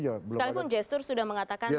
sekalipun gesture sudah mengatakan menerima hasil kan